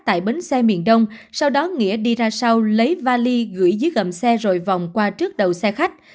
tại bến xe miền đông sau đó nghĩa đi ra sau lấy vali gửi dưới gầm xe rồi vòng qua trước đầu xe khách